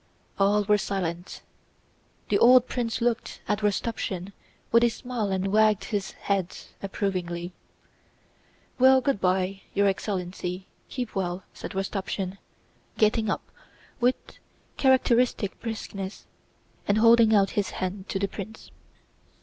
All were silent. The old prince looked at Rostopchín with a smile and wagged his head approvingly. "Well, good by, your excellency, keep well!" said Rostopchín, getting up with characteristic briskness and holding out his hand to the prince.